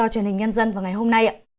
và hẹn gặp lại hôm nay ạ